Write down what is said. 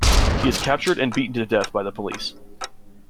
He is captured and beaten to death by the police.